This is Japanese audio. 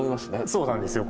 そうなんですよ。